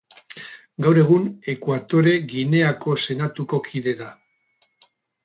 Gaur egun, Ekuatore Gineako Senatuko kide da.